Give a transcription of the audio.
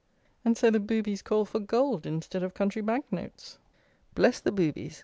And, so, the "boobies" call for gold instead of country bank notes! Bless the "boobies"!